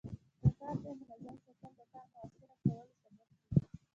د کار ځای منظم ساتل د کار موثره کولو سبب کېږي.